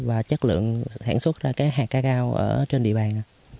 và chất lượng sản xuất ra cái hạt ca cao ở trên địa bàn